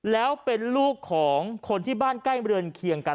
แล้วเป็นลูกของคนที่บ้านใกล้เรือนเคียงกัน